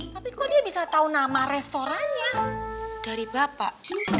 tapi kok dia bisa tahu nama restorannya dari bapak